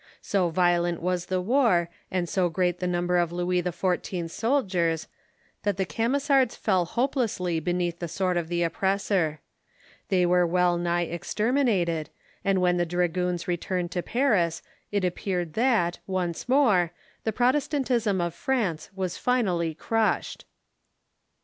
So violent was the war, and so great the number of Louis XIV. 's soldiers, that the Camisards fell hope lessly beneath the sword of the oppressor. They were well nigh exterminated, and Avhen the dragoons returned to Paris it appeared that, once more, the Protestantism of France was finally crushed.